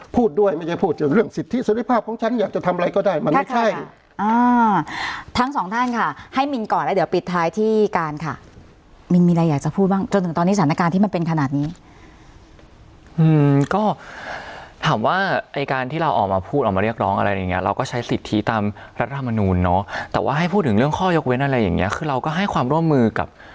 พูดด้วยไม่ใช่พูดเรื่องสิทธิเสร็จภาพของฉันอยากจะทำอะไรก็ได้มันไม่ใช่ทั้งสองท่านค่ะให้มินก่อนแล้วเดี๋ยวปิดท้ายที่การค่ะมินมีอะไรอยากจะพูดบ้างจนถึงตอนนี้สถานการณ์ที่มันเป็นขนาดนี้ก็ถามว่าไอ้การที่เราออกมาพูดออกมาเรียกร้องอะไรอย่างเงี้ยเราก็ใช้สิทธิตามรัฐธรรมนูญเนาะแต่ว่าให้พูดถึงเรื่